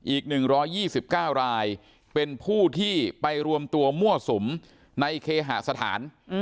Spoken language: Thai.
อีก๑๒๙รายเป็นผู้ที่ไปรวมตัวมั่วสุมในเคหสถาน